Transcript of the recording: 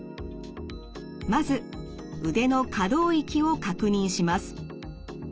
まず腕の可動域を確認します。